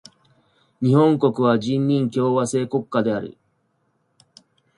日本国は人民共和制国家である。